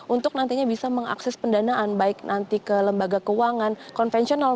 untuk nantinya bisa mengakses pendanaan baik nanti ke lembaga keuangan konvensional